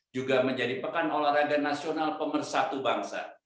juga menjadi pekan olahraga nasional pemersatu bangsa